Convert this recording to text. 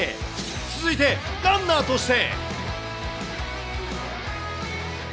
続いてランナーとして。